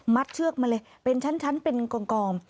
เชือกมาเลยเป็นชั้นเป็นกอง